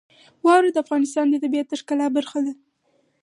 واوره د افغانستان د طبیعت د ښکلا برخه ده.